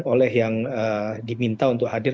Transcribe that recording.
oleh yang diminta untuk hadir